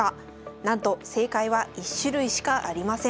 なんと正解は１種類しかありません。